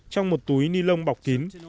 trong một túi ni lông bọc kín